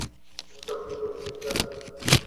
তোমার চাকরকে বলো, জিনিস গাড়িতে তুলুক।